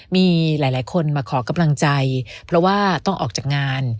มีหลายคนมาขอกำลังใจเพราะว่าต้องออกจากงาน